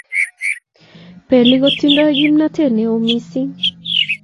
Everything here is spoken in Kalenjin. Pelik kotindoi kimnated neo missing